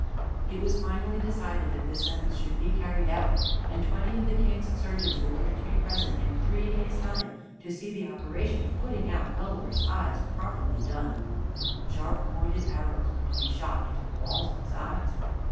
It was finally decided that this sentence should be carried out, and twenty of the King's surgeons were ordered to be present in three days' time to see the operation of putting out Gulliver's eyes properly done. Sharp pointed arrows were to be shot into the balls of his eyes.